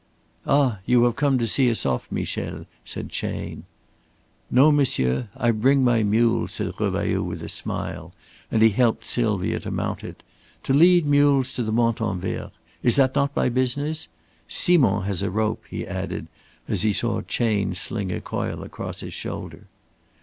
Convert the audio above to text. "Ah! you have come to see us off, Michel," said Chayne. "No, monsieur, I bring my mule," said Revailloud, with a smile, and he helped Sylvia to mount it. "To lead mules to the Montanvert is not that my business? Simond has a rope," he added, as he saw Chayne sling a coil across his shoulder.